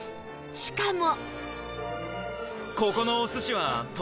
しかも